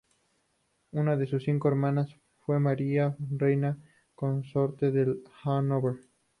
Una de sus cinco hermanas fue María, reina consorte de Hannover.